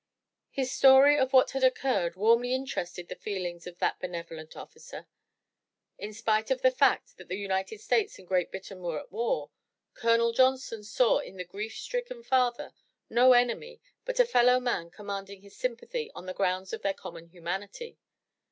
His story of what had occurred warmly interested the feelings of that benevolent officer. In spite of the fact that the United States and Great Britain were at war. Colonel Johnson saw in the grief stricken father no enemy, but a fellow man commanding his sympathy on the grounds of their common humanity.